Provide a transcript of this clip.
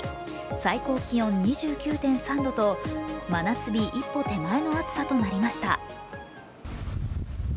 最高気温２９．３度と真夏日一歩手前の暑さとなりました。